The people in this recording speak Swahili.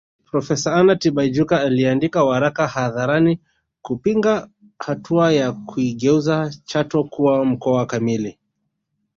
Profesa Anna Tibaijuka aliyeandika waraka hadharani kupinga hatua ya kuigeuza Chato kuwa mkoa kamili